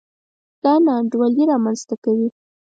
دا نا انډولي رامنځته کوي.